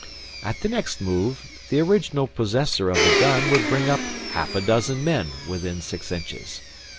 At the next move the original possessor of the gun would bring up half a dozen men within six inches.